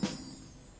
iya udah berangkat